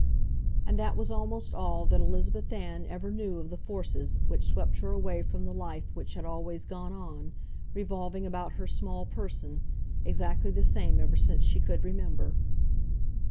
And that was almost all that Elizabeth Ann ever knew of the forces which swept her away from the life which had always gone on, revolving about her small person, exactly the same ever since she could remember.